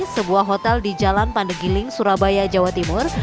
sebuah hotel di jalan pandegiling surabaya jawa timur